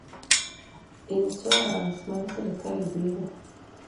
Insuarans mar sirkal biro